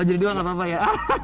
oh jadi dua gak apa apa ya